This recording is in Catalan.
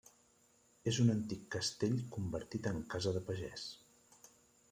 És un antic castell convertit en casa de pagès.